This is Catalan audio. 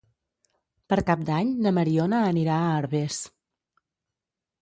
Per Cap d'Any na Mariona anirà a Herbers.